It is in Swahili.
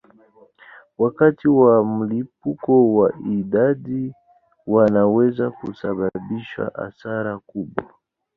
Wakati wa mlipuko wa idadi wanaweza kusababisha hasara kubwa.